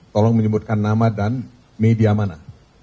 tolong menyebutkan nama dan media mana